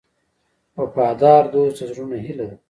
وفادار دوست د زړونو هیله ده.